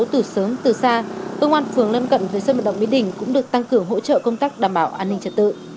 từ sớm từ xa công an phường lân cận với sân vận động mỹ đình cũng được tăng cường hỗ trợ công tác đảm bảo an ninh trật tự